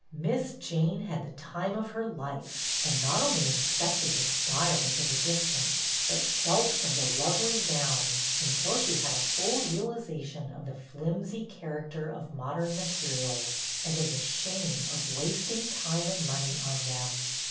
Miss Jane had the "time of her life," and not only inspected the " styles " at a distance. HER COMMENCEMENT 275 but " felt of " the lovely gowns, until she had a full realization of the " flimsy " character of modern materials, and of the shame of wast ing time and money on them.